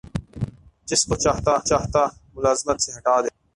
جس کو چاہتا ملازمت سے ہٹا دیتا